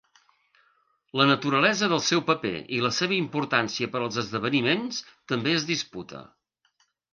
La naturalesa del seu paper i la seva importància per als esdeveniments també es disputa.